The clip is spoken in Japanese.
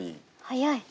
早い。